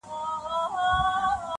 • ښه ډاډه دي نه یې ډار سته له پیشیانو..